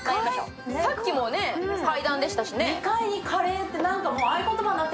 さっきも階段でしたしね。